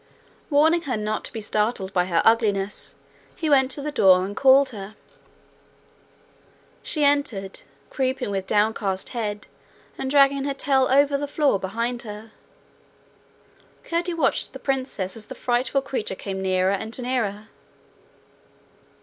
Warning her not to be startled by her ugliness, he went to the door and called her. She entered, creeping with downcast head, and dragging her tail over the floor behind her. Curdie watched the princess as the frightful creature came nearer and nearer.